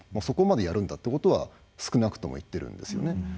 そこまでやるんだってことは少なくとも言ってるんですよね。